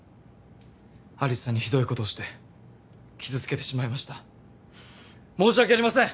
有栖さんにひどいことをして傷つけてしまいました申し訳ありません！